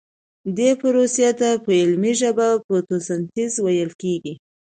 دې پروسې ته په علمي ژبه فتوسنتیز ویل کیږي